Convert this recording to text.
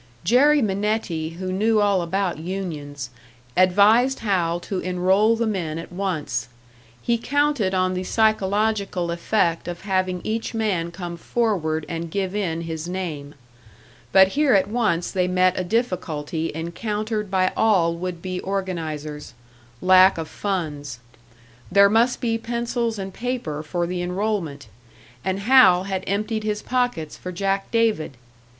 Jerry Minetti, who knew all about unions, advised Hal to enroll the men at once; he counted on the psychological effect of having each man come forward and give in his name. But here at once they met a difficulty encountered by all would be organisers lack of funds. There must be pencils and paper for the enrollment; and Hal had emptied his pockets for Jack David!